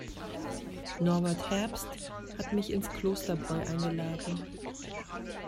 Norbert Herbst hat mich ins Klosterbräu eingeladen.